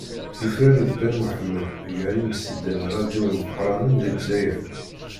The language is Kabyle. Yufrar-d Ben Muḥemmed gar yimseddan ṛṛadyu imeqṛanen di Lezzayer.